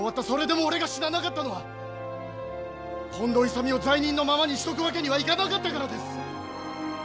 それでも俺が死ななかったのは近藤勇を罪人のままにしとくわけにはいかなかったからです！